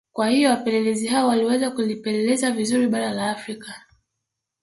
Kwa hiyo wapelezi hao waliweza kulipeleleza vizuri bara la Afrika